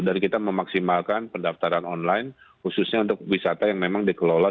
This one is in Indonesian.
dan kita memaksimalkan pendaftaran online khususnya untuk wisata yang memang dikelola